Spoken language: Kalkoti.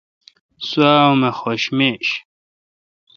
سو امہ حوشہ میش۔